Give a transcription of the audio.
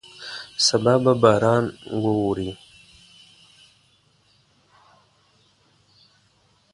سبا به باران ووري.